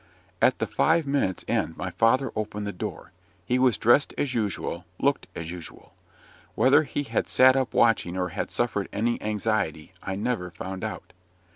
At the five minutes' end my father opened the door. He was dressed as usual, looked as usual. Whether he had sat up watching, or had suffered any anxiety, I never found out.